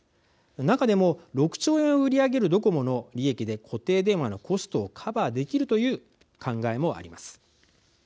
中でも、６兆円を売り上げるドコモの利益で固定電話のコストをカバーできるという考えもあります。